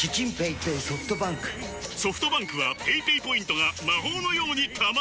ソフトバンクはペイペイポイントが魔法のように貯まる！